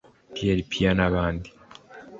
Pierre Péan n’abandi